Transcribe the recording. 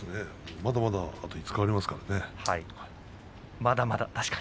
まだまだあと５日ありますからね。